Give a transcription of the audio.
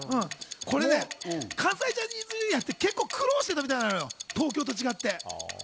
これね関西ジャニーズＪｒ．って結構苦労してたみたいなのよ、東京都と違って。